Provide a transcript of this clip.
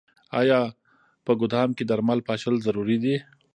آیا په ګدام کې درمل پاشل ضروري دي؟